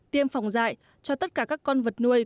tiêm phòng dạy cho tất cả các con vật nuôi